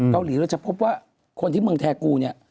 เราจะพบว่าคนที่เมืองแทกูเนี่ย